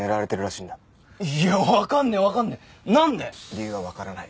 理由はわからない。